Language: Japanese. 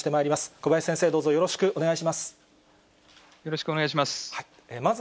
小林先生、どうぞよろしくお願いします。